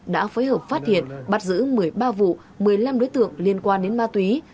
đã phối hợp phát hiện bắt giữ một mươi ba vụ một mươi năm đối tượng liên quan đến ma túy